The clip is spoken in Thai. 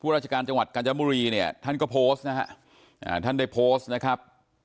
ราชการจังหวัดกาญจนบุรีเนี่ยท่านก็โพสต์นะฮะท่านได้โพสต์นะครับ